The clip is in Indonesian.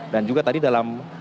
dan juga tadi dalam